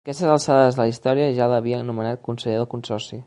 A aquestes alçades de la història ja l'havien nomenat conseller del consorci.